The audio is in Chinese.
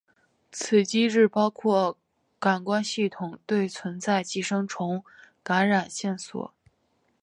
此机制包括感官系统对存在寄生虫感染线索。